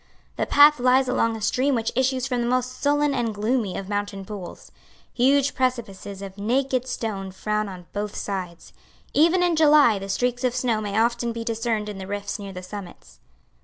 The path lies along a stream which issues from the most sullen and gloomy of mountain pools. Huge precipices of naked stone frown on both sides. Even in July the streaks of snow may often be discerned in the rifts near the summits.